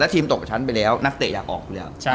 แล้วทีมตกชั้นไปแล้วนักเตะอยากออกเลย